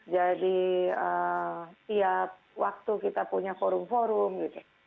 jadi tiap waktu kita punya forum forum gitu